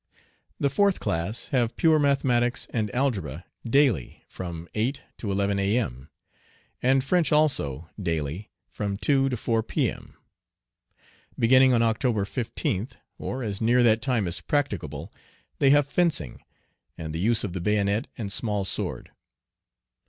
The fourth class have pure mathematics, and algebra, daily from 8 to 11 A.M., and French also, daily, from 2 to 4 P.M. Beginning on October 15th, or as near that time as practicable, they have fencing, and the use of the bayonet and small sword.